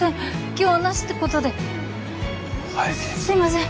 今日はなしってことではいすいません